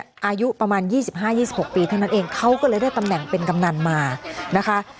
อายุประมาณ๒๕๒๖ปีเท่านั้นเองเขาก็เลยได้ตำแหน่งเป็นกำนันมานะคะ